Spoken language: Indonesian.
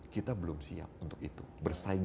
kita belum siap untuk itu bersaing